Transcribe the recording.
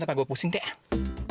jangan lupa gue pusing teh